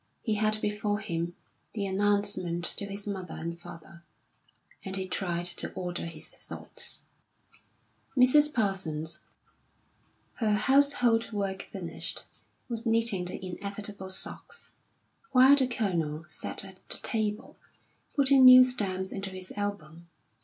He had before him the announcement to his mother and father; and he tried to order his thoughts. Mrs. Parsons, her household work finished, was knitting the inevitable socks; while the Colonel sat at the table, putting new stamps into his album.